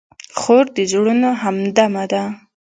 خور د زړونو همدمه ده.